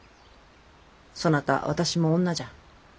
そなた私も女じゃ。